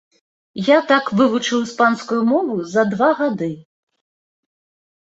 Я так вывучыў іспанскую мову за два гады.